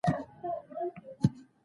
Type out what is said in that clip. د مصنوعي ویډیو کیفیت پرمختګ کوي.